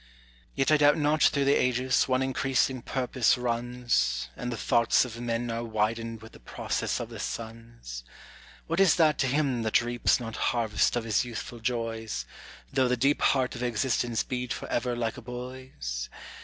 Yet I doubt not through the ages one increasing purpose runs, And the thoughts of men are widened with the process of the suns. What is that to him that reaps not harvest of his youthful joys, Though the deep heart of existence beat forever like a boy's?